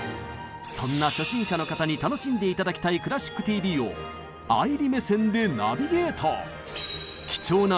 そんな初心者の方に楽んで頂きたい「クラシックＴＶ」を愛理目線でナビゲート！